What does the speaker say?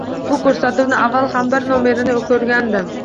Bu koʻrsatuvni avval ham bir nomerini koʻrgandim.